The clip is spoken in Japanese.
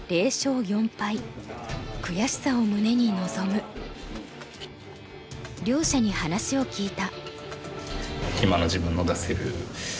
悔しさを胸に臨む。両者に話を聞いた。